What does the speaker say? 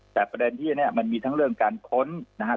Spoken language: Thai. แต่ประเด็นที่นี่มันมีทั้งเรื่องการค้นนะครับ